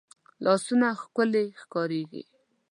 لاسونه ښکلې ښکارېږي